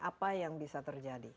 apa yang bisa terjadi